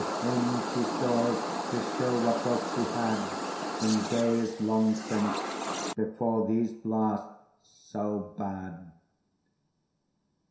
him she stores, to show what wealth she had In days long since, before these last so bad.